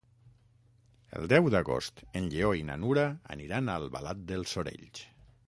El deu d'agost en Lleó i na Nura aniran a Albalat dels Sorells.